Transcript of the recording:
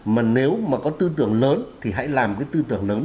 mà nếu mà có tư tưởng lớn thì hãy làm cái tư tưởng lớn